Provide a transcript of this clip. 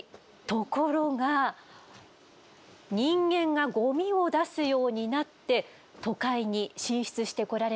ところが人間がゴミを出すようになって都会に進出してこられました。